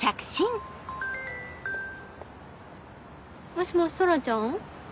もしもし空ちゃん？